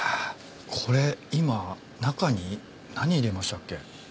これ今中に何入れましたっけ？